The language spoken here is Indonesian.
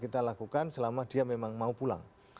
kita lakukan selama dia memang mau pulang